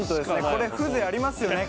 これ風情ありますよね